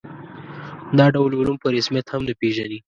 دا ډول علوم په رسمیت هم نه پېژني.